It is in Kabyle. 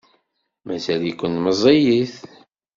Mazal-iken meẓẓiyit.